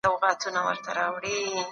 سندرې د خوشحالۍ فضا زیاتوي.